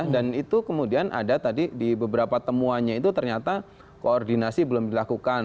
dan itu kemudian ada tadi di beberapa temuannya itu ternyata koordinasi belum dilakukan